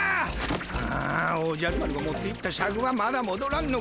ああおじゃる丸が持っていったシャクはまだもどらんのか。